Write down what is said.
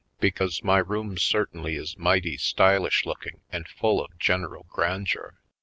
Because my room certainly is mighty stylish looking and full of general grandeur.